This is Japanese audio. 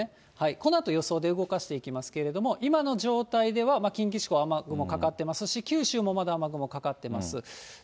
このあと予想で動かしていきますけれども、今の状態では近畿地方、雨雲かかってますし、九州もまだ雨雲かかってます。